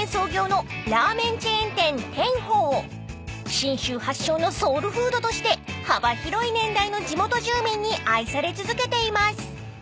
［信州発祥のソウルフードとして幅広い年代の地元住民に愛され続けています］